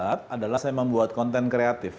ya yang saya terlibat adalah saya membuat konten kreatif